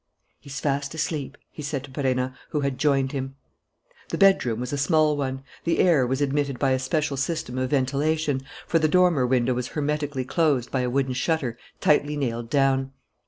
"He's fast asleep," he said to Perenna, who had joined him. The bedroom was a small one. The air was admitted by a special system of ventilation, for the dormer window was hermetically closed by a wooden shutter tightly nailed down.